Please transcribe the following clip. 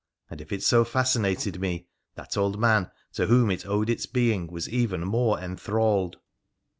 And if it so fascinated me, that old man, to whom it owed its being, was even more enthralled.